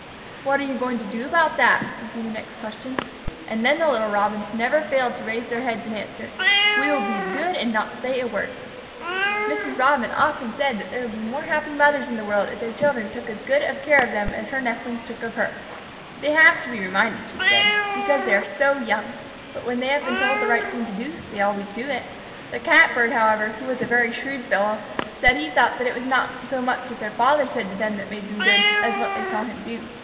"What are you going to do about it?" would be the next question. And then the little Robins never failed to raise their heads and answer, "We will be good and not say a word." Mrs. Robin often said that there would be more happy mothers in the world if their children took as good care of them as her nestlings took of her. "They have to be reminded," she said, "because they are so young, but when they have been told the right thing to do, they always do it." The Catbird, however, who was a very shrewd fellow, said he thought it was not so much what their father said to them that made them good, as what they saw him do.